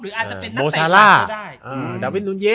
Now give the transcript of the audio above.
หรือหนัคใบบ้าง